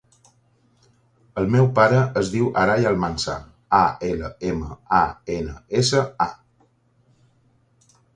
El meu pare es diu Aray Almansa: a, ela, ema, a, ena, essa, a.